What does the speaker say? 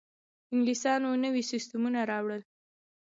انګلیسانو نوي سیستمونه راوړل.